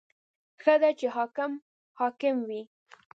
• ښه ده چې حاکم حاکم وي.